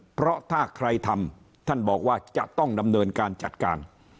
เพราะถ้าใครทำท่านบอกว่าจะต้องดำเนินการจัดการ